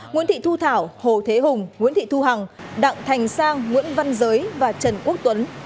nguyễn thị thu thảo hồ thế hùng nguyễn thị thu hằng đặng thành sang nguyễn văn giới và trần quốc tuấn